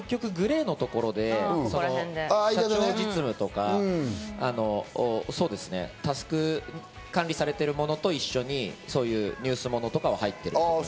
新聞とか、ニュースものは結局グレーのところで、社長実務とか、タスク管理されてるものと一緒に、そういうニュースものとかが入ってくる。